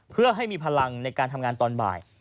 เพื่อให้มีพลังในการทำงานตอนบ่าย